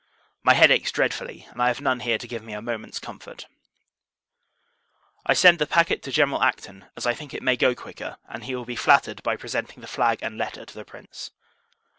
My head aches dreadfully, and I have none here to give me a moment's comfort. I send the packet to General Acton; as I think it may go quicker, and he will be flattered by presenting the flag and letter to the Prince.